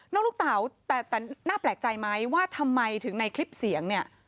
ลูกเต๋าแต่น่าแปลกใจไหมว่าทำไมถึงในคลิปเสียงเนี่ย